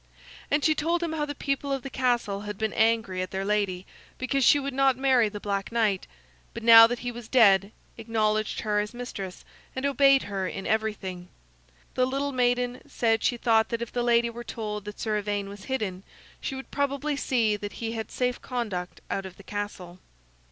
And she told him how the people of the castle had been angry at their lady because she would not marry the Black Knight; but now that he was dead, acknowledged her as mistress and obeyed her in everything. The little maiden said she thought that if the lady were told that Sir Ivaine was hidden she would probably see that he had a safe conduct out of the castle.